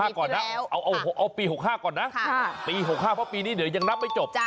ก่อนนะเอาปี๖๕ก่อนนะปี๖๕เพราะปีนี้เดี๋ยวยังนับไม่จบ